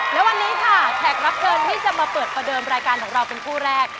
และวันนี้ค่ะแขกรับเชิญที่จะมาเปิดประเดิมรายการของเราเป็นคู่แรก